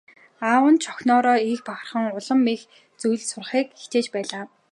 Аав нь ч охиноороо их бахархан улам их зүйл заахыг хичээж байлаа.